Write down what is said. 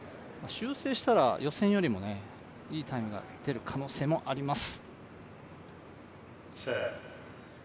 修正したら予選よりもいいタイムが出る可能性もあります。